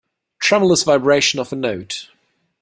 Tremulous vibration of a note.